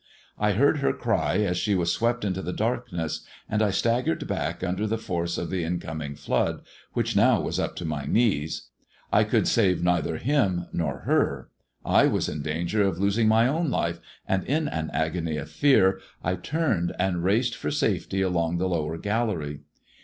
I heard her cry as she was ept into the darkness, and I staggered back under the rce of the incoming flood, which now was up to my knees, iould save neither him nor her ; I was in danger of losing f own life, and in an agony of fear I turned and raced c safety along the lower gallery.